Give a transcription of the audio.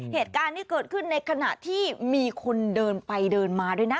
เหตุการณ์นี้เกิดขึ้นในขณะที่มีคนเดินไปเดินมาด้วยนะ